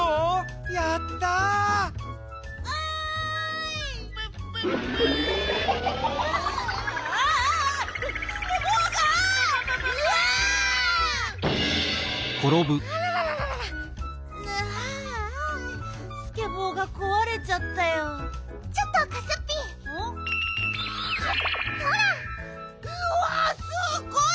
うわすっごい！